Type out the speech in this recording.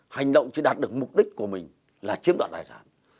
hành động chỉ đạt được mục đích của mình là chiếm đoạn tài sản